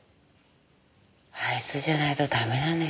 あいつじゃないとダメなのよ。